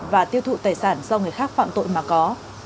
và tiêu thụ tài sản do người khác phạm tội mà có